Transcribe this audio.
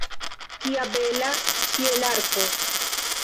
Kia bela ĉielarko!